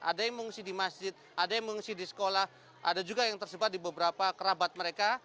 ada yang mengungsi di masjid ada yang mengungsi di sekolah ada juga yang tersebar di beberapa kerabat mereka